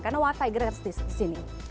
karena wifi gratis di sini